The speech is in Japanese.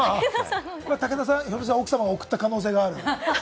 武田さん、奥様が送った可能性がある？